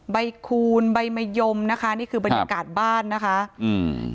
คูณใบมะยมนะคะนี่คือบรรยากาศบ้านนะคะอืม